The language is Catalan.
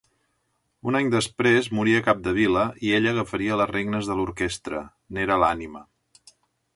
Un any després moria Capdevila i ella agafaria les regnes de l'orquestra: n'era l'ànima.